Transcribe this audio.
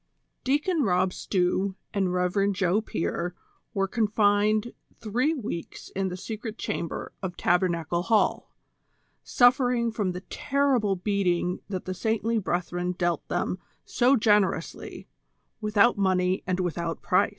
IjEACOX ROB STEW and Rev. Joe Pier were confined three weeks in the secret chamber of Tabernacle Hall, suffering from the terrible beating that the saintly brethren dealt them so generously, without money and without price.